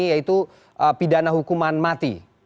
yaitu pidana hukuman mati